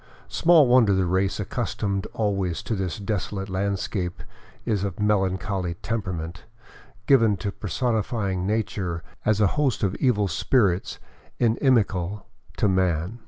Small wonder the race accustomed always to this desolate landscape is of melancholy temperament, given to personifying nature as a host of evil spirits inimical to man.